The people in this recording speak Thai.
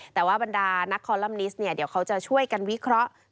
แต่ว่าบรรดานักคอลัมนิสเนี่ยเดี๋ยวเขาจะช่วยกันวิเคราะห์